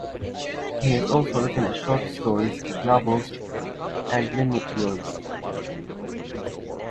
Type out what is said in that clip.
He has also written short stories, novels, and a memoirs.